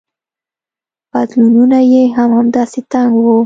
پتلونونه يې هم همداسې تنګ وو.